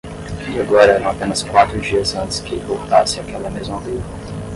E agora eram apenas quatro dias antes que ele voltasse àquela mesma aldeia.